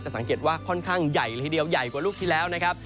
สังเกตว่าค่อนข้างใหญ่เลยทีเดียวใหญ่กว่าลูกที่แล้วนะครับ